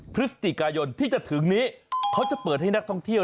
พฤศจิกายนที่จะถึงนี้เขาจะเปิดให้นักท่องเที่ยว